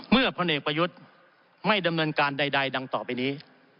พลเอกประยุทธ์ไม่ดำเนินการใดดังต่อไปนี้